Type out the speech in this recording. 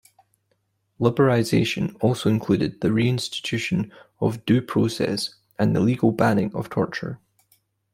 Liberalization also included the reinstitution of due process and the legal banning of torture.